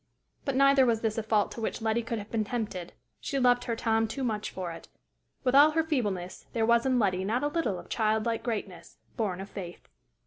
But neither was this a fault to which Letty could have been tempted; she loved her Tom too much for it: with all her feebleness, there was in Letty not a little of childlike greatness, born of faith.